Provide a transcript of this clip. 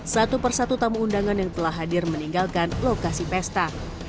satu persatu tamu undangan yang telah hadir meninggalkan lokasi pesta